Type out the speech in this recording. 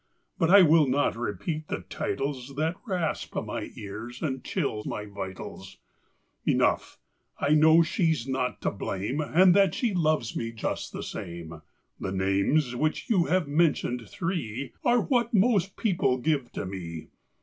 But I will not repeat the titles That rasp my ears and chill my vitals. Enough, I know she's not to blame. And that she loves me just the same." Copyrighted, 1897 I HE names which you have mentioned, three, what most people give to me."